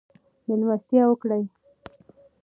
مېلمستیا وکړئ.